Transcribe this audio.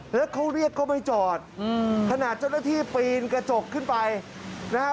แล้วเขาเรียกก็ไม่จอดขนาดเจ้าหน้าที่ปีนกระจกขึ้นไปนะฮะ